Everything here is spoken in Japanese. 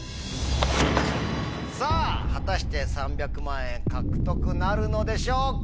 さぁ果たして３００万円獲得なるのでしょうか？